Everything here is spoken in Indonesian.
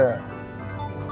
harus penuhi keadaan